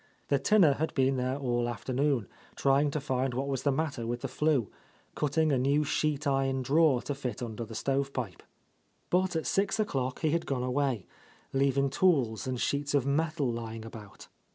The tinner had been there all afternoon, trying to find what was the matter with the flue, cutting a new sheet iron drawer to fit under the stove pipe. But at six o'clock he had gone away, leaving tools and sheets of metal lying about.